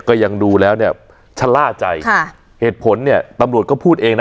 ก็ยังดูแล้วเนี่ยชะล่าใจค่ะเหตุผลเนี่ยตำรวจก็พูดเองนะ